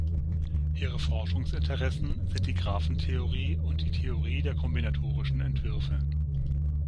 Ihre Forschungsinteressen sind die Graphentheorie und die Theorie der kombinatorischen Entwürfe.